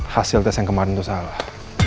hasil tes yang kemarin itu salah